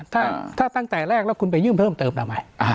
ถ้าตั้งแต่แรกแล้วคุณไปยื่นเพิ่มเติมทำไม